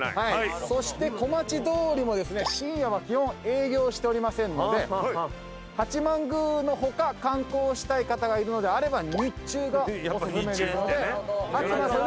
そして小町通りも深夜は基本営業しておりませんので八幡宮の他観光したい方がいるのであれば日中がおすすめですので合ってますよね？